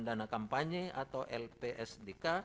dana kampanye atau lpsdk